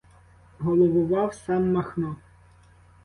Головував сам Махно.